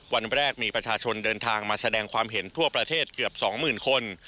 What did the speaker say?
วันแรกมีประชาชนเดินทางมาแสดงความเห็นทั่วประเทศเกือบ๒๐๐๐คน